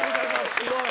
すごい！